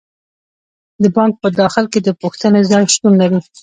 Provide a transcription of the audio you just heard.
د بانک په داخل کې د پوښتنې ځای شتون لري.